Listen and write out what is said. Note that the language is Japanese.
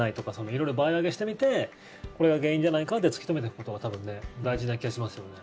色々、場合分けしてみてこれが原因じゃないかって突き止めていくことが多分、大事な気がしますよね。